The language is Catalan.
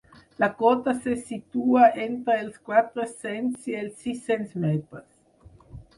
La cota se situa entre els quatre-cents i els sis-cents metres.